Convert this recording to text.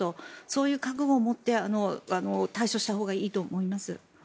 そういう覚悟を持って対処したほうがいいと思います。